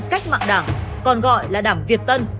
cách mạng đảng còn gọi là đảng việt tân